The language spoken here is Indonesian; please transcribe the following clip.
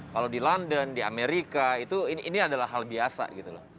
kalau di london di amerika ini adalah hal biasa gitu loh